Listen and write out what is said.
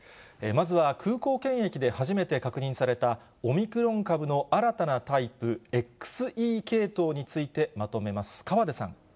まずは空港検疫で初めて確認された、オミクロン株の新たなタイプ、ＸＥ系統についてまとめます。